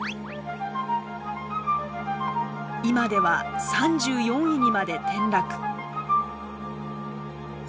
今では３４位にまで転落。